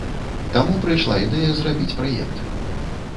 Таму прыйшла ідэя зрабіць праект.